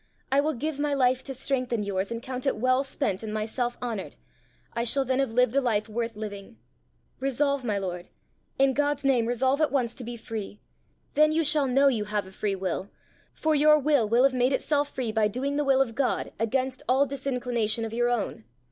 I will give my life to strengthen yours, and count it well spent and myself honoured: I shall then have lived a life worth living! Resolve, my lord in God's name resolve at once to be free. Then you shall know you have a free will, for your will will have made itself free by doing the will of God against all disinclination of your own.